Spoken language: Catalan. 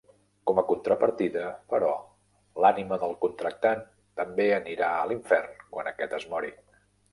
Com a contrapartida, però, l'ànima del contractant també anirà a l'infern quan aquest es mori.